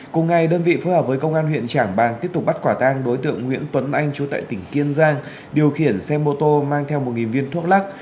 cùng ngày đơn vị phối hợp với công an huyện trảng bàng tiếp tục bắt quả tang đối tượng nguyễn tuấn anh chú tại tỉnh kiên giang điều khiển xe mô tô mang theo một viên thuốc lắc